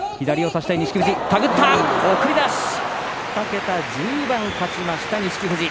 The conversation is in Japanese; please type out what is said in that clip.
２桁１０番勝った錦富士。